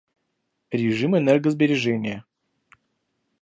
Режим энергосбережения